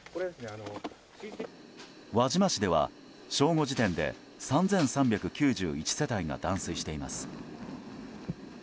輪島市では、正午時点で３３９１世帯が断水しています。